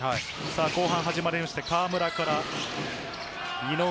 後半始まって、河村から井上。